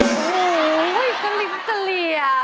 โอ้โฮกระลิกกระเหลี่ย